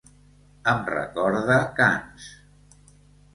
Em recorda Cannes.